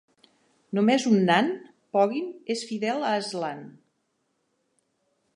Només un nan, Poggin, és fidel a Aslan.